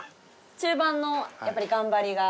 中盤のやっぱり頑張りが。